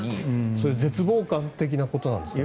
そういう絶望感的なことなんですかね？